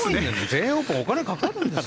全英オープンお金かかるんですよ。